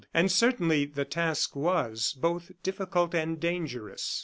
And certainly, the task was both difficult and dangerous.